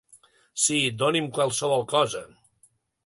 Sí, doni'm qualsevol cosa.